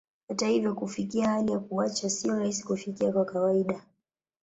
Hata hivyo, kufikia hali ya kuacha sio rahisi kufikia kwa kawaida.